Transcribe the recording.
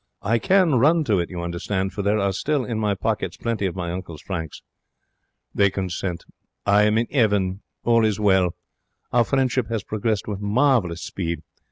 I can run to it, you understand, for there are still in my pockets plenty of my uncle's francs. They consent. I am in 'eaven. All is well. Our friendship has progressed with marvellous speed.